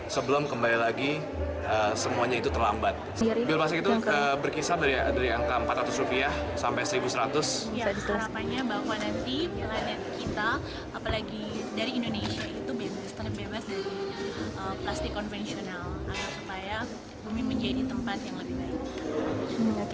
supaya bumi menjadi tempat yang lebih baik